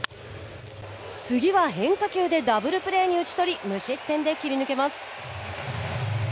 次は変化球でダブルプレーに打ち取り無失点で切り抜けます。